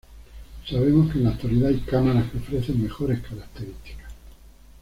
Sabemos que en la actualidad hay cámaras que ofrecen mejores características.